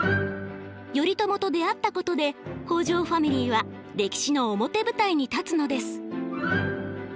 頼朝と出会ったことで北条ファミリーは歴史の表舞台に立つのです。